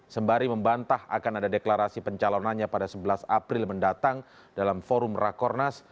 sembari membantah akan ada deklarasi pencalonannya pada sebelas april mendatang dalam forum rakornas